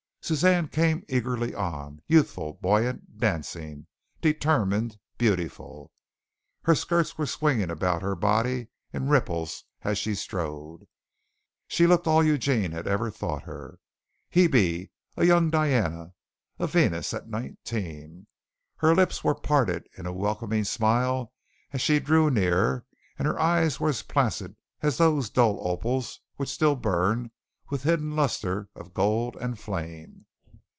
Suzanne came eagerly on youthful, buoyant, dancing, determined, beautiful. Her skirts were swinging about her body in ripples as she strode. She looked all Eugene had ever thought her. Hebe a young Diana, a Venus at nineteen. Her lips were parted in a welcoming smile as she drew near and her eyes were as placid as those dull opals which still burn with a hidden lustre of gold and flame.